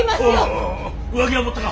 おお上着は持ったか？